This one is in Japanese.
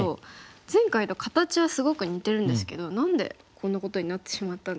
前回と形はすごく似てるんですけど何でこんなことになってしまったんですか？